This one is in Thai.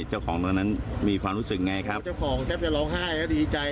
ตรงนั้นมีความรู้สึกไงครับเจ้าของแทบจะร้องไห้แล้วดีใจ